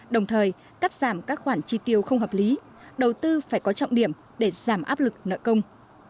đồng thời cắt giảm các khoản chi tiêu không hợp lý đầu tư phải có trọng điểm để giảm áp lực nợ công